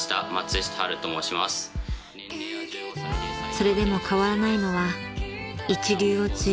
［それでも変わらないのは一流を追求すること］